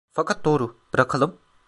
Fakat doğru, bırakalım…